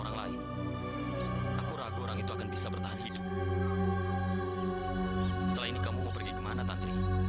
tapi sekarang aku akan bertahan hidup untuk bayi ini mas